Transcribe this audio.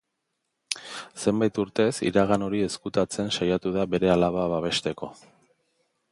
Zenbait urtez iragan hori ezkutatzen saiatu da bere alaba babesteko.